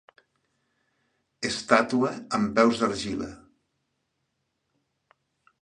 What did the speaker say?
Estàtua amb peus d'argila.